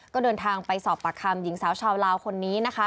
ก็เดินทางไปสอบปากคำหญิงสาวชาวลาวคนนี้นะคะ